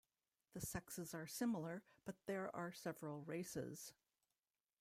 The sexes are similar, but there are several races.